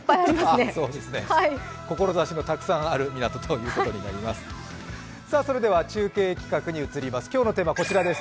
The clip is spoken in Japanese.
志のたくさんある港ということになります。